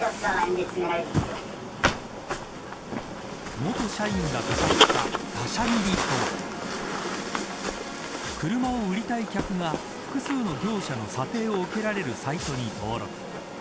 元社員が語った他社切りとは車を売りたい客が複数の業者の査定を受けられるサイトに登録。